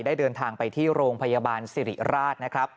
ได้เดินทางไปที่โรงพยาบาลศิริราช